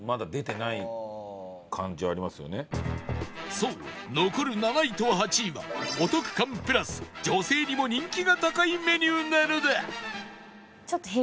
そう残る７位と８位はお得感プラス女性にも人気が高いメニューなのだ